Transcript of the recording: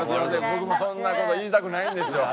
僕もそんな事言いたくないんですよ。